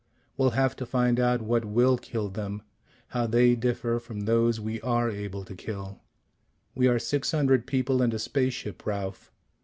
We'll have to find out what will kill them how they differ from those we are able to kill. We are six hundred people and a spaceship, Ralph.